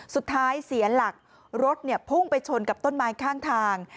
เสียหลักรถพุ่งไปชนกับต้นไม้ข้างทาง